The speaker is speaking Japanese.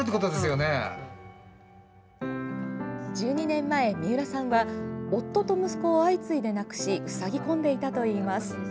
１２年前、三浦さんは夫と息子を相次いで亡くし塞ぎ込んでいたといいます。